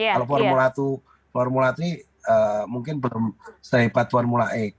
kalau formula two formula three mungkin sehebat formula e